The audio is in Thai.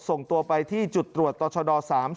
ส่งตัวไปที่จุดตรวจต่อชด๓๐